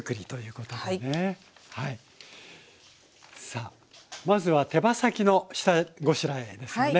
さあまずは手羽先の下ごしらえですよね。